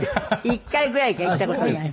１回ぐらいしか行った事ない。